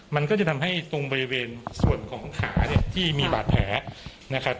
มันก็จะทำให้ตรงบริเวณส่วนของขาเนี่ยที่มีบาดแผลนะครับ